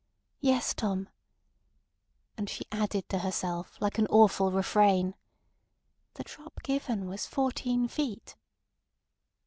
"Yes, Tom." And she added to herself, like an awful refrain: "The drop given was fourteen feet."